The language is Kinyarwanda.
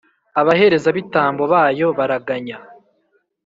abaherezabitambo bayo baraganya,